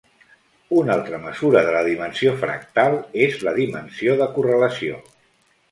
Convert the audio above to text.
Una altra mesura de la dimensió fractal és la dimensió de correlació.